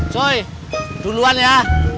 coy duluan ya